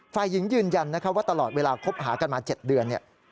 ฝ่ายหญิงยืนยันว่าตลอดเวลาคบหากันมา๗เดือนเนี่ย